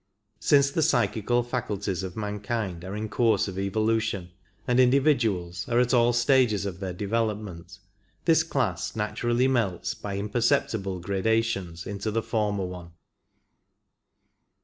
Since the psychical faculties of mankind are in course of evolution, and individuals are at all stages of their development, this class naturally melts by imperceptible gradations into the former one.